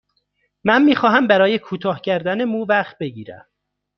من می خواهم برای کوتاه کردن مو وقت بگیرم.